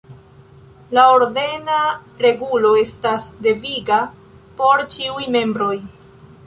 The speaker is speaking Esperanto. La ordena regulo estas deviga por ĉiuj membroj.